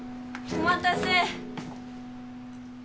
お待たせ。